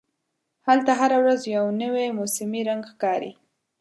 هلته هره ورځ یو نوی موسمي رنګ ښکاري.